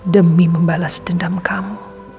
demi membalas dendam kamu